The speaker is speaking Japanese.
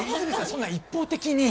そんな一方的に。